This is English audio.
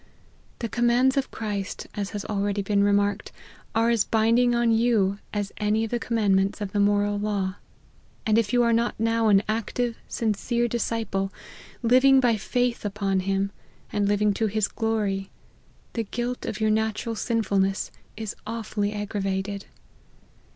The commands of Christ, as has al ready been remarked, are as binding on you, as any of the commandments of the moral law ; and if you are not now an active, sincere disciple, living by faith upon Him, and living to his glory, the guilt of your natural sinfulness is awfully aggra vated.